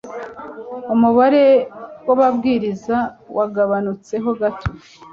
umubare w ababwiriza wagabanutseho gato